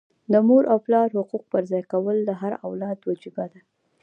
د مور او پلار حقوق پرځای کول د هر اولاد وجیبه ده.